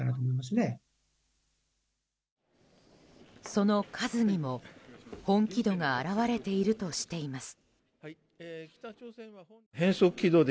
その数にも本気度が表れているとしています。